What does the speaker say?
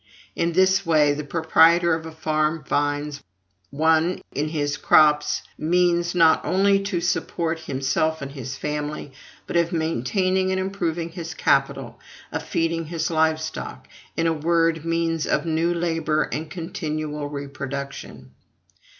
In this way, the proprietor of a farm finds: 1. In his crops, means, not only of supporting himself and his family, but of maintaining and improving his capital, of feeding his live stock in a word, means of new labor and continual reproduction; 2.